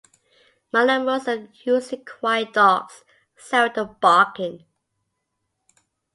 Malamutes are usually quiet dogs, seldom barking.